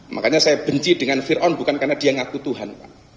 makanya saya benci dengan fir aun bukan karena dia ngaku tuhan pak